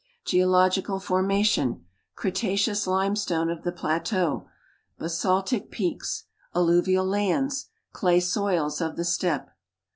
Geological formation : Cretaceous limestone of the plateaux. Ba.saltic peaks. Alluvial lands. Clay soils of the Steppe.